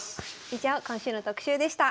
以上今週の特集でした。